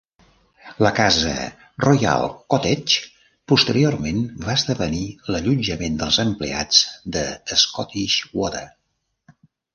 La casa, "Royal Cottage", posteriorment va esdevenir l'allotjament dels empleats de Scottish Water.